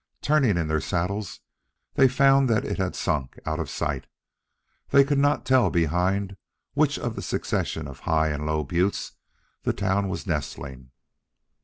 Turning in their saddles, they found that it had sunk out of sight. They could not tell behind which of the endless succession of high and low buttes the town was nestling.